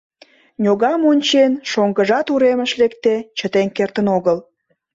Ньогам ончен, шоҥгыжат, уремыш лекде, чытен кертын огыл.